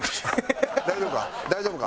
大丈夫か？